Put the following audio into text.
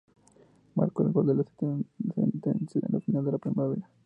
Marcó el gol de la sentencia en la final de la primera.